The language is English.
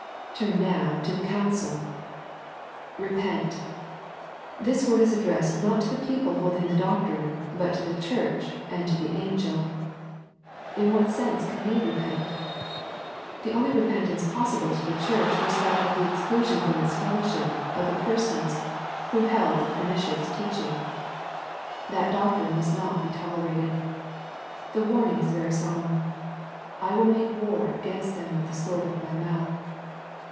Turn now to the counsel. " Repent." This word is addressed not to the people holding the doctrine, but to the church and to the angel. In what sense then can they repent ? The only repentance possible to the church was that of the exclusion from its fellowship of the persons who held the pernicious teaching. That doc trine must not be tolerated. The warning is very solemn. " I will make war against them with the sword of My mouth."